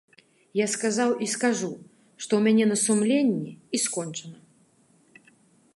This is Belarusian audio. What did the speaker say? Я сказаў і скажу, што ў мяне на сумленні, і скончана.